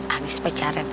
habis pacaran ya